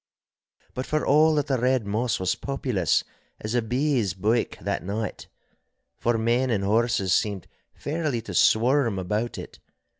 But for all that the Red Moss was populous as a bees' byke that night, for men and horses seemed fairly to swarm about it.